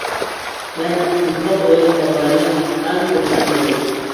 مەن مۇشۇنداق ئويلايدىغانلارنى ئەڭ كۆپمىكى دەيمەن.